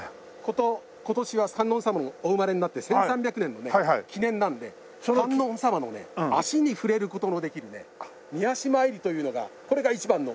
今年は観音様がお生まれになって１３００年の記念なので観音様の足に触れる事のできる御足参りというのがこれが一番の。